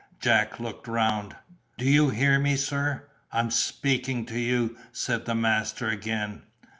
Jack looked round. "Do you hear me, sir? I'm speaking to you," said the master again.